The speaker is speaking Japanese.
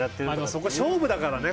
そこ、勝負だからね。